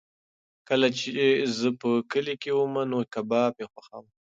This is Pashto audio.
کله چې زه په کلي کې وم نو کباب مې خوښاوه.